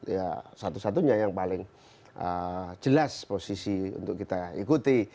ya satu satunya yang paling jelas posisi untuk kita ikuti